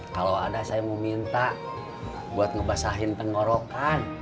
kalo ada saya mau minta buat ngebasahin tenggorokan